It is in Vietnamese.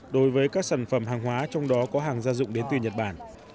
đối với các sản phẩm hàng hóa trong đó có hàng gia dụng đến từ nhật bản